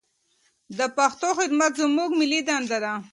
د پښتو خدمت زموږ ملي دنده ده.